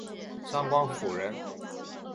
张光辅人。